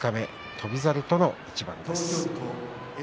翔猿との一番です。